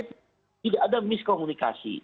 tidak ada miskomunikasi